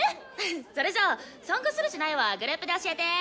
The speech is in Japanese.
それじゃあ参加するしないはグループで教えて！